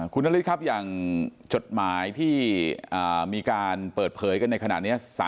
คุณนฤทธิ์ครับอย่างจดหมายที่มีการเปิดเผยกันในขณะนี้